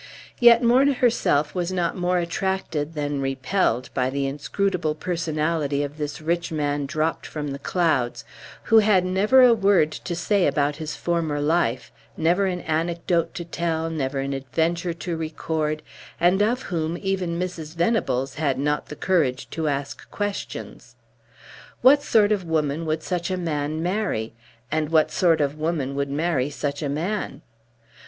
Yet Morna herself was not more attracted than repelled by the inscrutable personality of this rich man dropped from the clouds, who had never a word to say about his former life, never an anecdote to tell, never an adventure to record, and of whom even Mrs. Venables had not the courage to ask questions. What sort of woman would such a man marry, and what sort of woman would marry such a man?